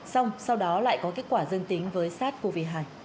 xong sau đó lại có kết quả dương tính với sars cov hai